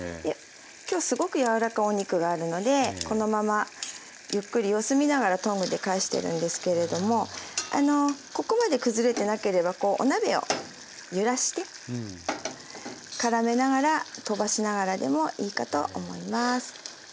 今日すごく柔らかいお肉があるのでこのままゆっくり様子見ながらトングで返してるんですけれどもここまで崩れてなければこうお鍋を揺らしてからめながらとばしながらでもいいかと思います。